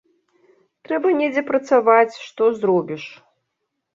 Трэба недзе працаваць, што зробіш.